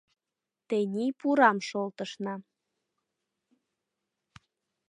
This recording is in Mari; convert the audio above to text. Тений пурам шолтышна.